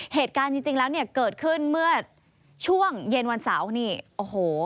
เหตุการณ์จริงแล้วเนี่ยเกิดขึ้นเมื่อช่วงเย็นวันเสาร์นี่โอ้โห